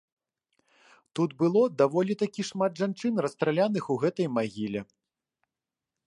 Тут было даволі такі шмат жанчын расстраляных у гэтай магіле.